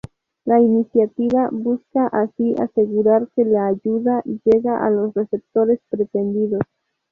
La iniciativa busca así asegurar que la ayuda llega a los receptores pretendidos.